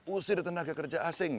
usir tenaga kerja asing